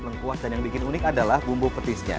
yang kuat dan yang bikin unik adalah bumbu petisnya